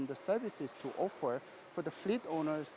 untuk pemilik kapal dan juga pemilik kapal